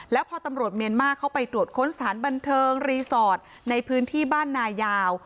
แล้วพอตำรวจเมียนมาร์เข้าไปตรวจค้นสถานบันเทิงรีสอร์ทในพื้นที่บ้านนายาว